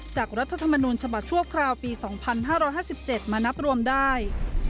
รัฐธรรมนูญฉบับชั่วคราวปี๒๕๕๗มานับรวมได้